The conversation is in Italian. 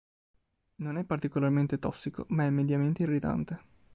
Non è particolarmente tossico ma è mediamente irritante.